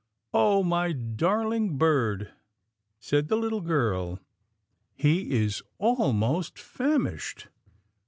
"Oh! my darhng bird," said the little girl, "he is almost famished.